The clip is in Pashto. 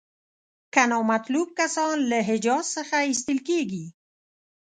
که نامطلوب کسان له حجاز څخه ایستل کیږي.